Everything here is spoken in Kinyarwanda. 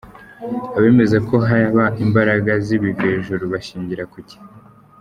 Abemeza ko haba imbaraga z’ibivejuru bashingira kuki?.